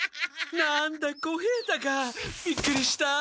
何だ小平太か。びっくりした。